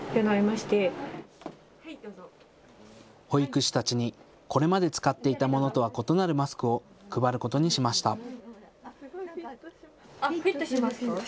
保育士たちにこれまで使っていたものとは異なるマスクを配ることにしました。